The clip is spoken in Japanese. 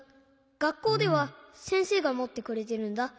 がっこうではせんせいがもってくれてるんだ。